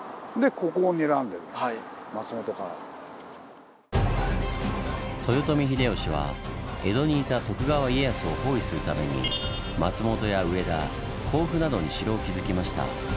で豊臣秀吉は江戸にいた徳川家康を包囲するために松本や上田甲府などに城を築きました。